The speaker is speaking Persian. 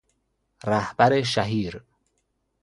رهبر شهیر